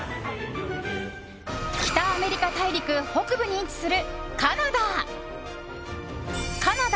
北アメリカ大陸北部に位置するカナダ。